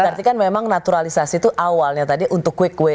berarti kan memang naturalisasi itu awalnya tadi untuk quick kue